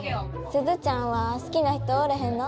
鈴ちゃんは好きな人おれへんの？